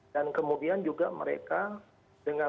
kemudian juga mereka dengan